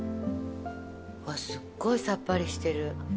うわっすごいさっぱりしてる。